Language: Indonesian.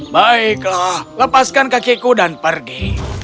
baiklah lepaskan kakiku dan pergi